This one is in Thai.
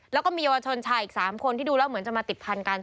แล้วก็มีเยาวชนชายอีก๓คนที่ดูแล้วเหมือนจะมาติดพันกัน